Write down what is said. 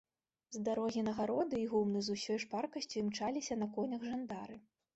З дарогі на гароды і гумны з усёй шпаркасцю імчаліся на конях жандары.